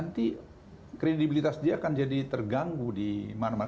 yang pada akhirnya nanti kredibilitas dia akan jadi terganggu di mana mana